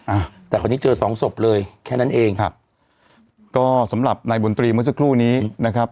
อ่ะแต่คราวนี้เจอสองศพเลยแค่นั้นเองครับก็สำหรับนายบนตรีเมื่อสักครู่นี้นะครับ